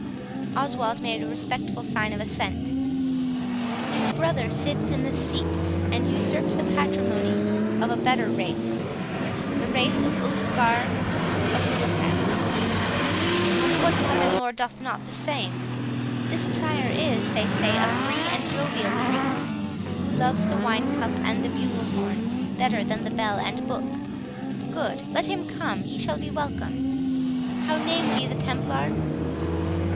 Oswald made a respectful sign of assent. "His brother sits in the seat, and usurps the patrimony, of a better race, the race of Ulfgar of Middleham; but what Norman lord doth not the same? This Prior is, they say, a free and jovial priest, who loves the wine cup and the bugle horn better than bell and book: Good; let him come, he shall be welcome. How named ye the Templar?"